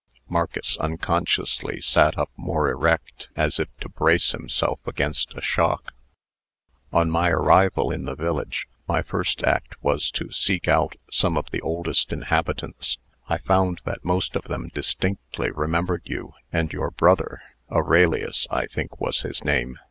Marcus unconsciously sat up more erect, as if to brace himself against a shock. "On my arrival in the village, my first act was to seek out some of the oldest inhabitants. I found that most of them distinctly remembered you, and your brother Aurelius, I think, was his name.